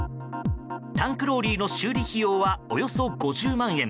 タンクローリーの修理費用はおよそ５０万円。